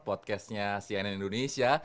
podcastnya cnn indonesia